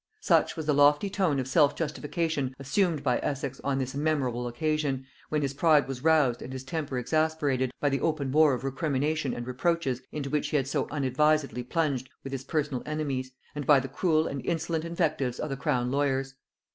Such was the lofty tone of self justification assumed by Essex on this memorable occasion, when his pride was roused and his temper exasperated, by the open war of recrimination and reproaches into which he had so unadvisedly plunged with his personal enemies; and by the cruel and insolent invectives of the crown lawyers.